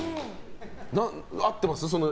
合ってます？